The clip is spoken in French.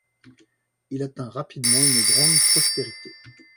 Il atteint rapidement une grande prospérité.